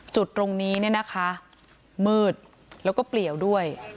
จุดตรงนี้เนี่ยนะคะมืดแล้วก็เปลี่ยวด้วย